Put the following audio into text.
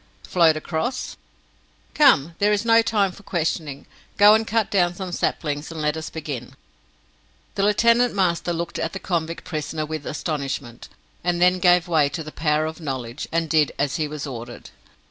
"Float across. Come, there is not time for questioning! Go and cut down some saplings, and let us begin!" The lieutenant master looked at the convict prisoner with astonishment, and then gave way to the power of knowledge, and did as he was ordered.